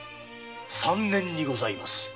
三年にございます。